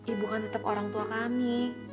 ibu kan tetap orang tua kami